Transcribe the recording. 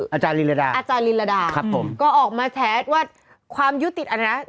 อาจารย์ลิลาดาอาจารย์ลิลาดาครับผมก็ออกมาแฉกว่าความยุติศาสตร์อันนี้นะ